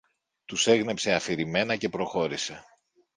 Τους έγνεψε αφηρημένα και προχώρησε